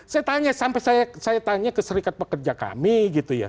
saya tanya sampai saya tanya ke serikat pekerja kami gitu ya